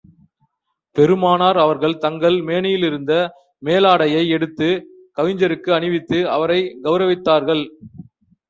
பெருமானார் அவர்கள் தங்கள் மேனியிலிருந்த மேலாடையை எடுத்து, கவிஞருக்கு அணிவித்து அவரைக் கெளரவித்தார்கள்.